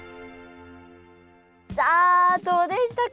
さあどうでしたか？